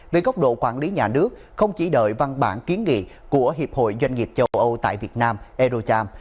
về góc độ quản lý nhà nước không chỉ đợi văn bản kiến nghị của hiệp hội doanh nghiệp châu âu tại việt nam erocharm